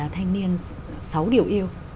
thanh niên sáu điều yêu